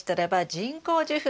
人工授粉。